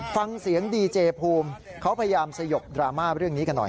ฟังเสียงดีเจภูมิเขาพยายามสยบดราม่าเรื่องนี้กันหน่อย